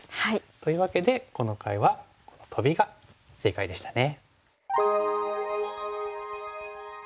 というわけでこの回はこのトビが正解でしたね。